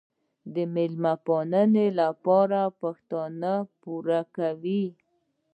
د میلمه پالنې لپاره پښتون پور کوي.